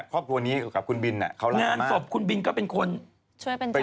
ช่วยทำทุกอย่างให้